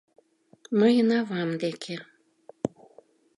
Мыйын авам деке.